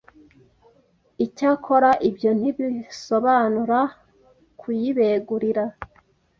icyakora ibyo ntibisobanura kuyibegurira